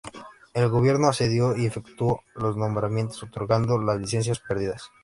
El gobierno accedió y efectuó los nombramientos otorgando las licencias pedidas.